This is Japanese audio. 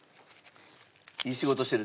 いい仕事してる？